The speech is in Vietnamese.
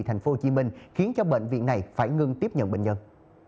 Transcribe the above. thành phố hồ chí minh khiến cho bệnh viện này phải ngưng tiếp nhận bệnh nhân